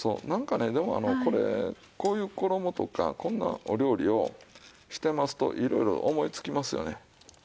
なんかねでもこれこういう衣とかこんなお料理をしてますといろいろ思いつきますよね。